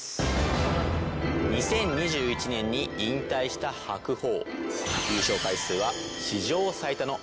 ２０２１年に引退した白鵬。